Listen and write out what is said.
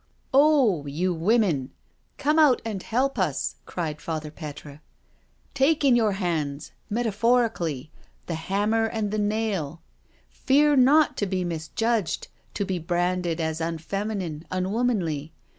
"Oh I you women, come out and help us," cried Father Petre. " Take in your hands, metaphorically, the ' hanmier and the nail.' Fear not to be misjudged, to be branded as unfeminine, unwomanly.